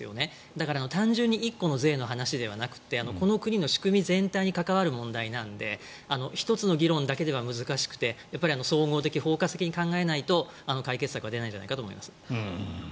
だから、単純に１個の税の話ではなくてこの国の仕組み全体に関わる問題なので１つの議論だけでは難しくて総合的、包括的に考えないと解決策は出ないんじゃないかと思います。